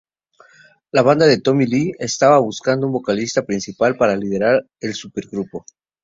La banda de Tommy Lee estaba buscando un vocalista principal para liderar el Supergrupo.